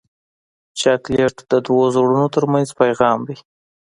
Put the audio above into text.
چاکلېټ د دوو زړونو ترمنځ پیغام دی.